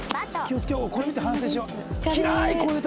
これ見て反省しよう。